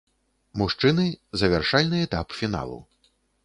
Мужчыны, завяршальны этап фіналу.